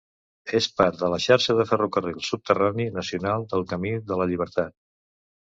És part de la xarxa de ferrocarril subterrani nacional del Camí de la llibertat.